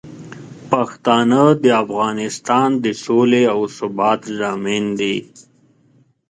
پښتانه د افغانستان د سولې او ثبات ضامن دي.